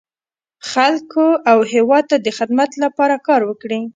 خلکو او هېواد ته د خدمت لپاره کار وکړي.